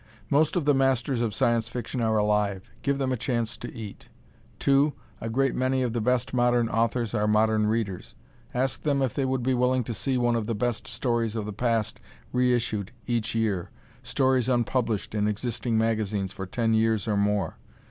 Most of the masters of Science Fiction are alive give them a chance to eat. Too, a great many of the best modern authors are modern readers: ask them if they would be willing to see one of the best stories of the past re issued each year, stories unpublished in existing magazines for ten years or more.